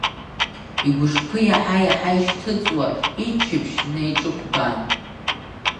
Игәышԥы иаҳа-иаҳа ишьҭыҵуа, иччаԥшь наиҿықәбан.